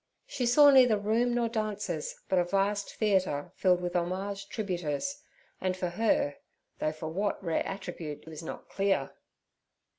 She saw neither room nor dancers, but a vast theatre filled with homage tributers, and for her, though for what rare attribute was not clear.